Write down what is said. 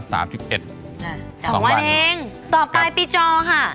สองวันเองต่อไปปีจอค่ะ